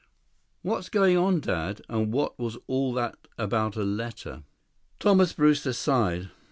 "What's going on, Dad? And what was all that about a letter?" Thomas Brewster sighed.